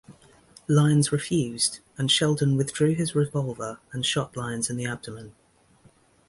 Lyons refused, and Sheldon withdrew his revolver and shot Lyons in the abdomen.